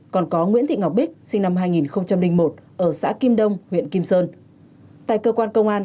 còn có nguyễn thị ngọc bích sinh năm hai nghìn một ở xã kim đông huyện kim sơn tại cơ quan công an